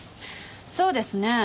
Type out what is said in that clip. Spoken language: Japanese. そうですね。